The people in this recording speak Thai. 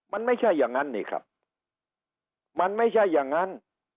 มันไม่ใช่อย่างนั้นนี่ครับมันไม่ใช่อย่างนั้น